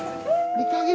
２か月。